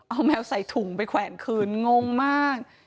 เอาแมวใส่ถุงไปแขวนคืนงงมาก